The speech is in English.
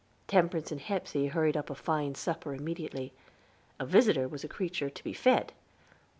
Temperance and Hepsey hurried up a fine supper immediately. A visitor was a creature to be fed.